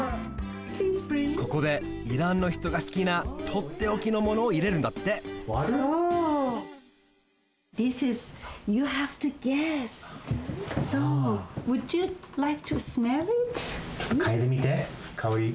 ここでイランの人がすきなとっておきのものを入れるんだってちょっとかいでみてかおり。